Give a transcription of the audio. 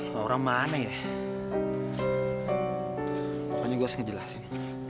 laura mana ya pokoknya gue harus ngejelasin